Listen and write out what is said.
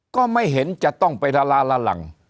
ก็ไม่เห็นจะต้องไปละลาละหลัง